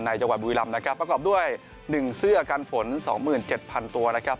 จังหวัดบุรีรำนะครับประกอบด้วย๑เสื้อกันฝน๒๗๐๐ตัวนะครับ